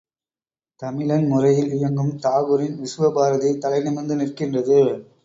தமிழன் முறையில் இயங்கும் தாகூரின் விசுவ பாரதி தலை நிமிர்ந்து நிற்கின்றது.